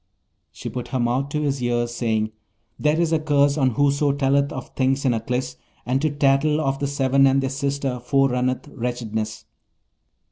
She put her mouth to his ear, saying, 'There is a curse on whoso telleth of things in Aklis, and to tattle of the Seven and their sister forerunneth wretchedness.'